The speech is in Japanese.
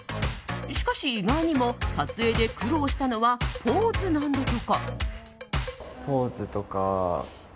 しかし、意外にも撮影で苦労したのはポーズなんだとか。